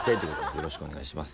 よろしくお願いします。